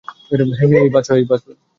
হেই, সে বেঁচে আছে।